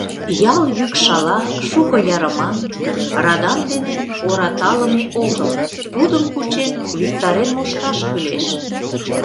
Ял йӱк шала, шуко ярыман, радам дене ораталыме огыл, тудым кучен, виктарен мошташ кӱлеш.